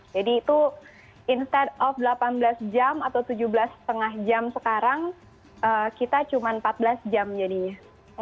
jadi itu instead of delapan belas jam atau tujuh belas lima jam sekarang kita cuma empat belas jam jadinya